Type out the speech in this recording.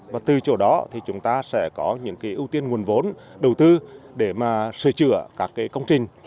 và từ chỗ đó thì chúng ta sẽ có những ưu tiên nguồn vốn đầu tư để mà sửa chữa các công trình